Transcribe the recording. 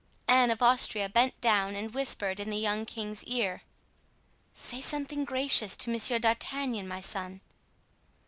Anne of Austria bent down and whispered in the young king's ear: "Say something gracious to Monsieur d'Artagnan, my son."